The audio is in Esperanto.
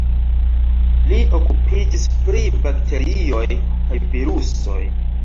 Li okupiĝis pri bakterioj kaj virusoj.